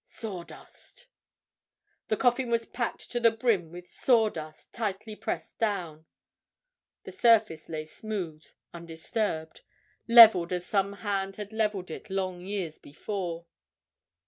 Sawdust! The coffin was packed to the brim with sawdust, tightly pressed down. The surface lay smooth, undisturbed, levelled as some hand had levelled it long years before.